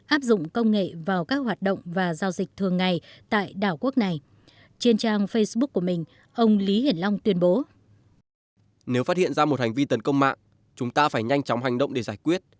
áp dụng công nghệ và đối mặt với các công dân sắp nhập ngũ